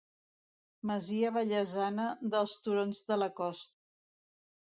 Masia vallesana dels turons de la Costa.